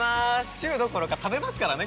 チューどころか食べますからね